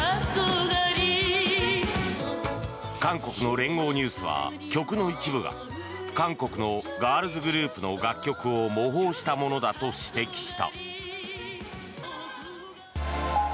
韓国の連合ニュースは曲の一部が韓国のガールズグループの楽曲を模倣したものだと指摘した。